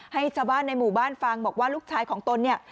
ให้ชาวบ้านในหมู่บ้านฟังบอกว่าลูกชายของตนเนี่ย